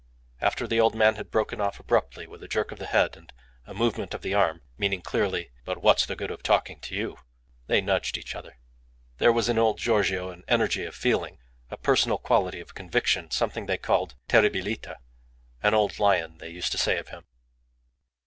After the old man had broken off abruptly with a jerk of the head and a movement of the arm, meaning clearly, "But what's the good of talking to you?" they nudged each other. There was in old Giorgio an energy of feeling, a personal quality of conviction, something they called "terribilita" "an old lion," they used to say of him.